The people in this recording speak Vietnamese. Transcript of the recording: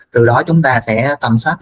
từ đó chúng ta sẽ tầm soát